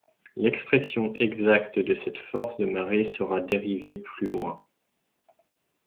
L'expression exacte de cette force de marée sera dérivée plus loin.